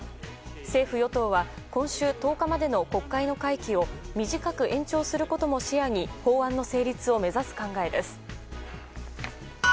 政府・与党は今週１０日までの国会の会期を短く延長することも視野に法案の成立を目指す考えです。